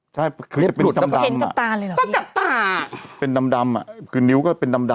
ใช่คือจะเป็นดำอะเป็นดำอะคือนิ้วก็เป็นดำอะ